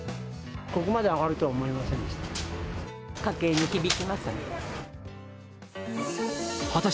ここまで上がるとは思いませんでした。